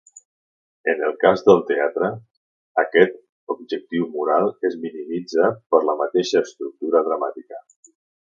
En el cas del teatre, aquest objectiu moral es minimitza per la mateixa estructura dramàtica.